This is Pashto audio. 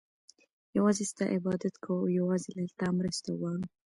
يوازي ستا عبادت كوو او يوازي له تا مرسته غواړو